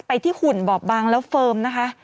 ที่หุ่นบอบบางแล้วเฟิร์มนะคะ